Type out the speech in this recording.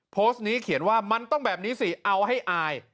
โพสต์นี้เขียนว่ามันต้องแบบนี้สิเอาให้อาย